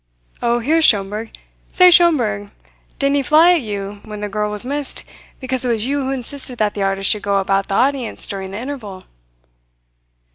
Oh, here's Schomberg. Say, Schomberg, didn't he fly at you, when the girl was missed, because it was you who insisted that the artists should go about the audience during the interval?"